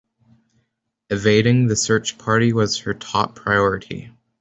Evading the search party was her top priority.